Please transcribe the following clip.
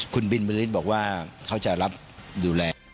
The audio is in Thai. คุณบินบริษฐ์บอกว่าเขาจะรับดูแล